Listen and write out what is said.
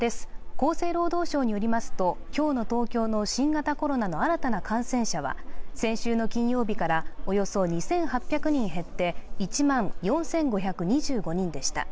厚生労働省によりますと今日の東京の新型コロナの新たな感染者は先週の金曜日からおよそ２８００人減って１万４５２５人でした。